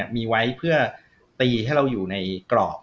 มีไว้เพื่อตีให้เราอยู่ในกรอบ